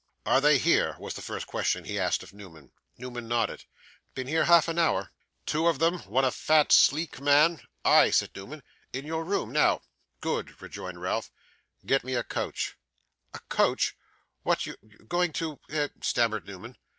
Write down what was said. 'Are they here?' was the first question he asked of Newman. Newman nodded. 'Been here half an hour.' 'Two of them? One a fat sleek man?' 'Ay,' said Newman. 'In your room now.' 'Good,' rejoined Ralph. 'Get me a coach.' 'A coach! What, you going to eh?' stammered Newman.